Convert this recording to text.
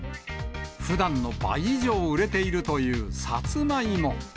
ふだんの倍以上売れているというサツマイモ。